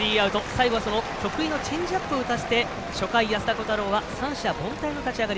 最後は得意のチェンジアップを出して初回、安田虎汰郎は三者凡退でした。